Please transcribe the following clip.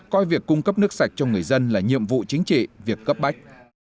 coi việc cung cấp nước sạch cho người dân là nhiệm vụ chính trị việc cấp bách